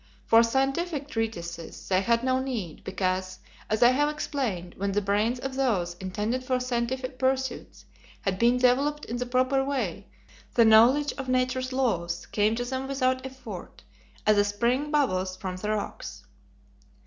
For scientific treatises they had no need, because, as I have explained, when the brains of those intended for scientific pursuits had been developed in the proper way the knowledge of nature's laws came to them without effort, as a spring bubbles from the rocks.